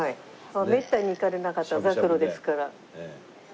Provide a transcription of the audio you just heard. めったに行かれなかったざくろですから。